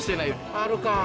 あるか。